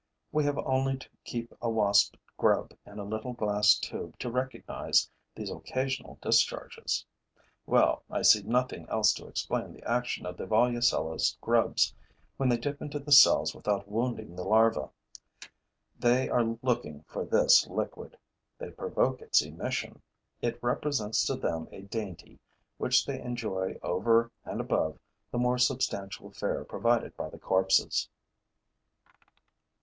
We have only to keep a Wasp grub in a little glass tube to recognize these occasional discharges. Well, I see nothing else to explain the action of the Volucella's grubs when they dip into the cells without wounding the larvae. They are looking for this liquid, they provoke its emission. It represents to them a dainty which they enjoy over and above the more substantial fare provided by the corpses.